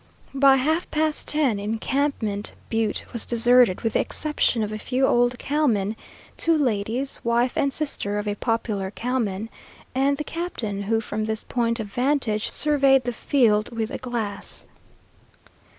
By half past ten, Encampment Butte was deserted with the exception of a few old cowmen, two ladies, wife and sister of a popular cowman, and the captain, who from this point of vantage surveyed the field with a glass.